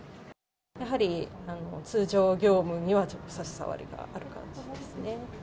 やはり通常業務にはちょっと差し障りがある感じですね。